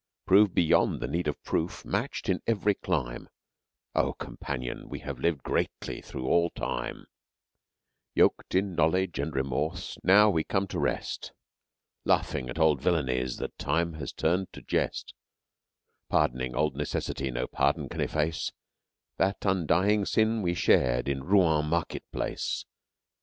Proved beyond the need of proof, matched in every clime, O companion, we have lived greatly through all time: Yoked in knowledge and remorse now we come to rest, Laughing at old villainies that time has turned to jest, Pardoning old necessity no pardon can efface That undying sin we shared in Rouen market place.